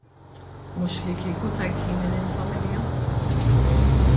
Mhux li kieku tajt ħini lill-familja.